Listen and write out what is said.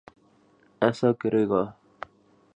ایسا کرے گا۔